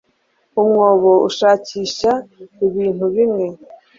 umwobo ushakisha ibintu bimwe